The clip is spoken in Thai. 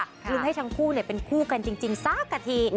ลุ้นให้ทั้งคู่เป็นคู่กันจริงสักกะที